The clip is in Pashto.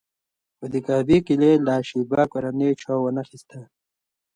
خو د کعبې کیلي له شیبه کورنۍ چا وانخیسته.